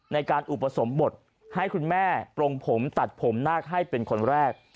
ในการอุปสมบทให้คุณแม่ปรงผมตัดผมนาคให้เป็นคนแรก